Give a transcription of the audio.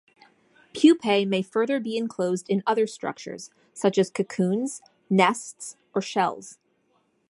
Pupae may further be enclosed in other structures such as cocoons, nests or shells.